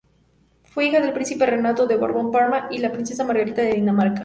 Fue hija del príncipe Renato de Borbón-Parma y la princesa Margarita de Dinamarca.